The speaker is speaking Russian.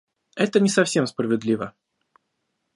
Это не совсем справедливо.